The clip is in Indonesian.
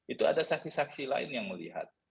itu ada saksi saksi lain yang melihat